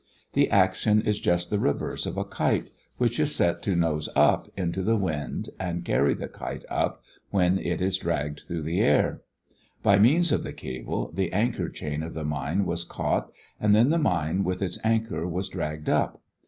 The action is just the reverse of a kite, which is set to nose up into the wind and carry the kite up when it is dragged through the air. By means of the cable the anchor chain of the mine was caught and then the mine with its anchor was dragged up.